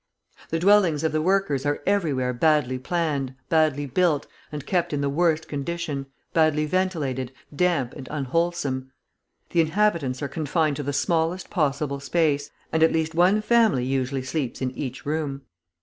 The dwellings of the workers are everywhere badly planned, badly built, and kept in the worst condition, badly ventilated, damp, and unwholesome. The inhabitants are confined to the smallest possible space, and at least one family usually sleeps in each room.